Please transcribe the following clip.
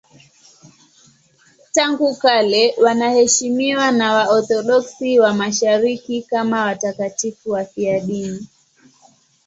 Tangu kale wanaheshimiwa na Waorthodoksi wa Mashariki kama watakatifu wafiadini.